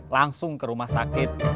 langsung ke rumah sakit